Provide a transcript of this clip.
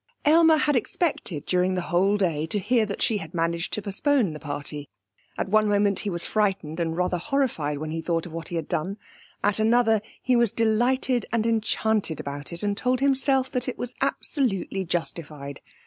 Aylmer had expected during the whole day to hear that she had managed to postpone the party. At one moment he was frightened and rather horrified when he thought of what he had done. At another he was delighted and enchanted about it, and told himself that it was absolutely justified.